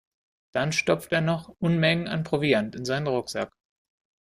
Dann stopfte er noch Unmengen an Proviant in seinen Rucksack.